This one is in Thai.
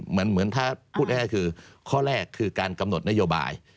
เหมือนถ้าพูดง่ายคือข้อแรกคือการกำหนดนโยบาย